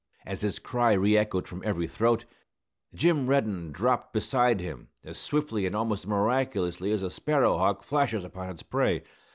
As his cry re echoed from every throat, Jim Reddin dropped beside him as swiftly and almost miraculously as a sparrow hawk flashes upon its prey.